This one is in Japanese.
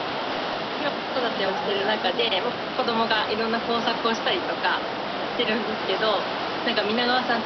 今子育てをしている中で子どもがいろんな工作をしたりとかしてるんですけど皆川さん